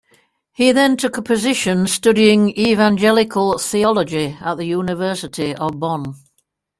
He then took a position studying Evangelical Theology at the University of Bonn.